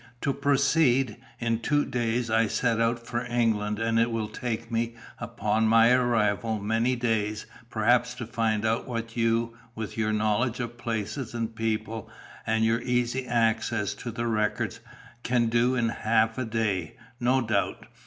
To proceed: in two days I set out for England, and it will take me, upon my arrival, many days, perhaps, to find out what you, with your knowledge of places and people, and your easy access to the records, can do in half a day, no doubt.